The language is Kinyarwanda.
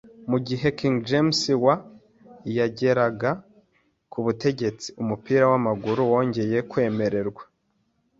Mu , igihe King James wa I yageraga ku butegetsi, umupira wamaguru wongeye kwemererwa.